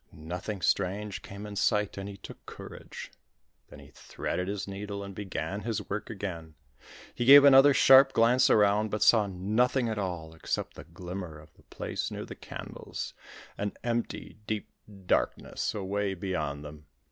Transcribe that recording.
Nothing strange came in sight and he took courage. Then he threaded his needle and began his work again. He gave another sharp glance around, but saw nothing at all except the glimmer of the place near the candles, and empty, deep darkness away beyond them.